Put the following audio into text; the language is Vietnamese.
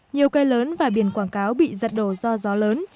nhiều cây lớn và biển quảng cáo bị giật đổ do gió lớn